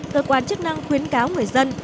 cơ quan chức năng khuyến cáo người dân